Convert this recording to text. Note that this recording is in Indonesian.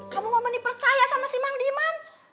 kamu mau menipercaya sama si mang diman